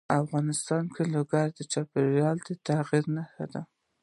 افغانستان کې لوگر د چاپېریال د تغیر نښه ده.